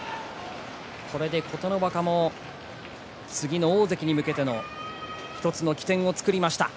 これで琴ノ若も次の大関に向けての１つの起点を作りました。